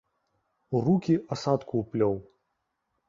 У рукі асадку ўплёў.